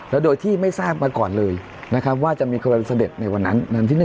และโดยที่ไม่ทราบมาก่อนเลยว่าจะมีขบวนเสด็จในวันนั้น